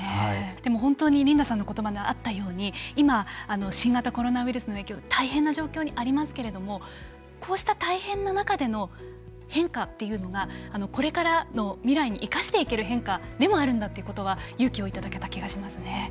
でも、本当にリンダさんのことばにあったように今、新型コロナウイルスの影響大変な状況にありますけれどもこうした大変な中での変化というのがこれからの未来に生かしていける変化でもあるんだということは勇気をいただけた気がしますね。